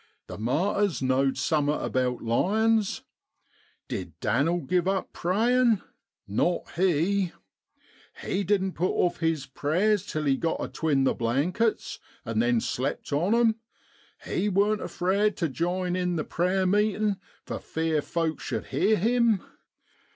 The martyrs know'd summat about lions. Did Dan'l giv up prayin' ? Not he. He didn't put off his prayers till he got atween the blankets an' then slept on 'em, he wasn't afeard to jine in the prayer meetin' for fear folks shud hear him.